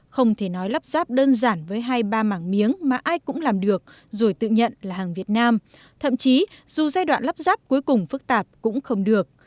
không thể nói lắp ráp đơn giản với hai ba mảng miếng mà ai cũng làm được rồi tự nhận là hàng việt nam thậm chí dù giai đoạn lắp ráp cuối cùng phức tạp cũng không được